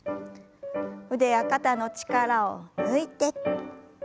腕や肩の力を抜いて。